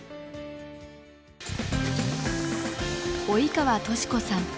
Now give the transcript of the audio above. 笈川敏子さん。